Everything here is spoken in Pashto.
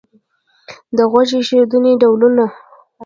د غوږ ایښودنې ډولونه